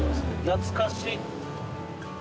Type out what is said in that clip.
懐かしい。